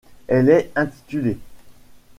Elle est intitulée '.